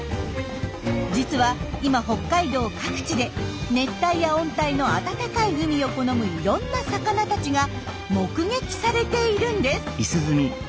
実は今北海道各地で熱帯や温帯の温かい海を好むいろんな魚たちが目撃されているんです。